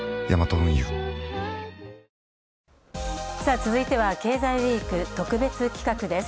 続いては、経済ＷＥＥＫ特別企画です。